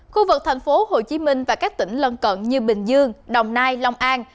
khu vực thành phố hồ chí minh và các tỉnh lân cận như bình dương đồng nai long an